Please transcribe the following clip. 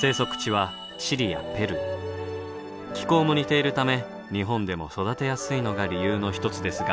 気候も似ているため日本でも育てやすいのが理由の一つですが。